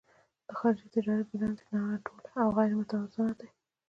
د خارجي تجارت بیلانس یې نا انډوله او غیر متوازن دی.